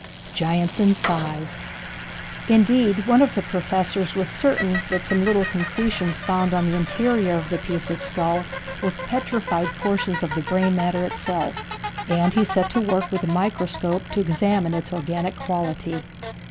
Giants in Size. Indeed, one of the professors was certain that some little concretions found on the interior of the piece of skull were petrified portions of the brain matter itself, and he set to work with the microscope to examine its organic quality.